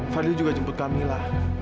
fadil juga jemput kamila